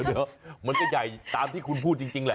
เดี๋ยวมันจะใหญ่ตามที่คุณพูดจริงแหละ